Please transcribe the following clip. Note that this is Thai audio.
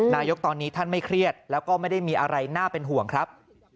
นายกตอนนี้ท่านไม่เครียดแล้วก็ไม่ได้มีอะไรน่าเป็นห่วงครับ